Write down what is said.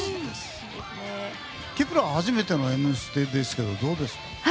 Ｋｅｐ１ｅｒは初めての「Ｍステ」ですけどどうですか？